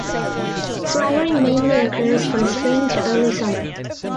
Flowering mainly occurs from Spring to early summer.